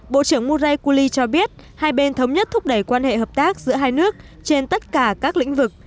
bộ trưởng muraikuli cho biết hai bên thống nhất thúc đẩy quan hệ hợp tác giữa hai nước trên tất cả các lĩnh vực